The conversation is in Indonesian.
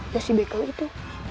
ya si beko itu